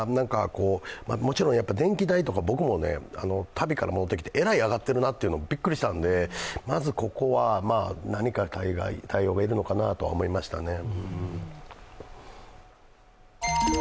もちろん電気代とか僕も旅から戻ってきてえらい上がっているなと、びっくりしたので、まずここは、何か対応が要るのかなとは思いましたね。